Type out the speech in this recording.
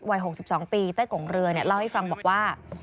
วัย๖๒ปีใต้กงเรือเล่าให้ฟังบอกว่า